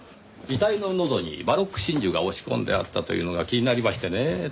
遺体の喉にバロック真珠が押し込んであったというのが気になりましてねぇ。